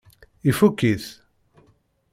Ifukk-it?